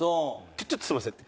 ちょっとすみません。